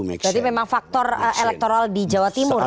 berarti memang faktor elektoral di jawa timur ya